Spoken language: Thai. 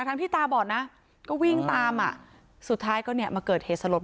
ทั้งที่ตาบอดนะก็วิ่งตามอ่ะสุดท้ายก็เนี่ยมาเกิดเหตุสลด